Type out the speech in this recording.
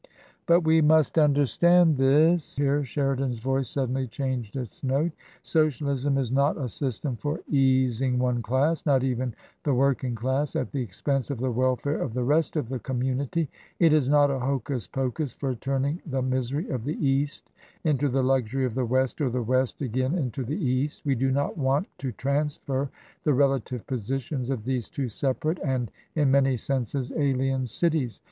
"But we must understand this!" Here Sheridan's voice suddenly changed its note. " Socialism is not a i6 1 82 TRANSITION. system for easing one class — not even the working class — ^at the expense of the welfare of the rest of the com munity ; it is not a hocus pocus for turning the misery of the East into the luxury of the West or the West again into the East ; we do not want to transfer the rela tive positions of these two separate and, in many senses, alien cities.